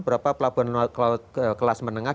berapa pelabuhan kelas menengah